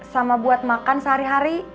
sama buat makan sehari hari